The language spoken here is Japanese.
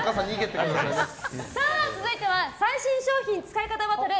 さあ、続いては最新商品使い方バトル！